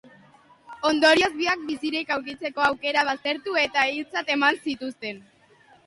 Ondorioz, biak bizirik aurkitzeko aukera baztertu eta hiltzat eman zituzten.